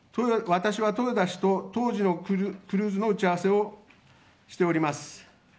私は豊田氏と当時のクルーズの打ち合わせをしております。